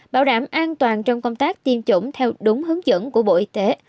bảo đảm an toàn trong công tác tiêm chủng theo đúng hướng dẫn của bộ y tế